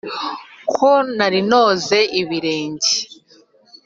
Ko nari noze ibirenge